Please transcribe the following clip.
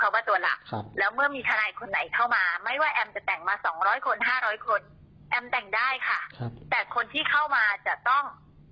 คือพัฒน์